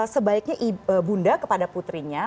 sebaiknya bunda kepada putrinya